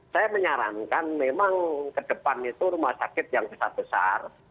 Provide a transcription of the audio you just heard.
saya menyarankan memang ke depan itu rumah sakit yang besar besar